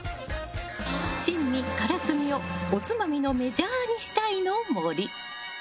珍味からすみをおつまみのメジャーにしたいの森。